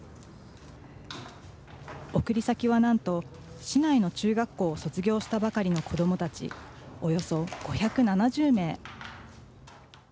送り先はなんと市内の中学校を卒業したばかりの子どもたちおよそ５７０名。